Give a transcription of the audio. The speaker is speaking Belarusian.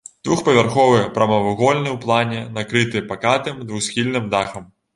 Двухпавярховы прамавугольны ў плане, накрыты пакатым двухсхільным дахам.